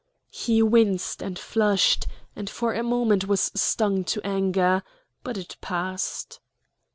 He winced and flushed, and for a moment was stung to anger; but it passed.